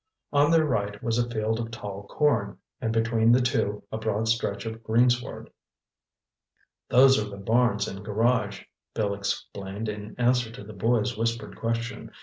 On their right was a field of tall corn, and between the two, a broad stretch of greensward. "Those are the barns and garage," Bill explained in answer to the boy's whispered question.